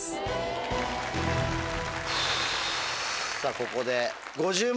ここで。